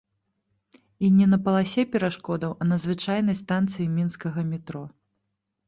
І не на паласе перашкодаў, а на звычайнай станцыі мінскага метро.